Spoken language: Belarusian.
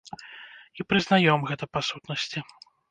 І прызнаём гэта па сутнасці.